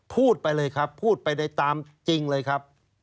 พูดไปเลยครับพูดไปได้ตามจริงเลยครับ